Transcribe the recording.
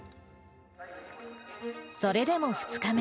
それでも２日目。